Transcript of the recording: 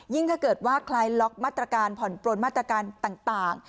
ถ้าเกิดว่าคลายล็อกมาตรการผ่อนปลนมาตรการต่าง